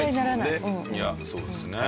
いやそうですね。